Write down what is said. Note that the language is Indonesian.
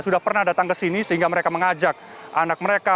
sudah pernah datang ke sini sehingga mereka mengajak anak mereka